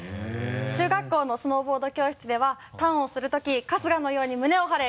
中学校のスノーボード教室ではターンをする時春日のように胸を張れ